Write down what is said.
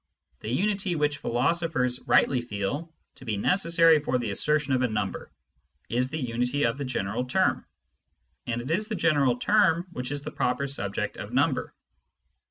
The unity which philo sophers rightly feel to be necessary for the assertion of a number is the unity of the general term, and it is the general term which is the proper subject of number.